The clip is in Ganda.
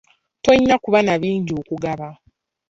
Toyina kuba na bingi okugaba.